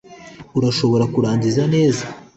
Urashobora kungirira neza